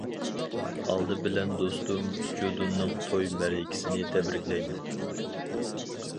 ئالدى بىلەن دوستۇم جۇدۇننىڭ توي مەرىكىسىنى تەبرىكلەيمەن!